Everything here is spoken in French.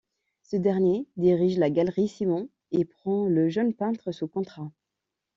Ce dernier dirige la galerie Simon et prend le jeune peintre sous contrat.